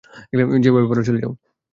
যেভাবে পারো চলে যাও!